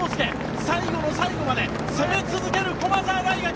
最後の最後まで攻め続ける駒澤大学。